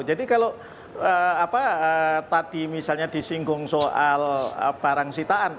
jadi kalau tadi misalnya disinggung soal barang sitaan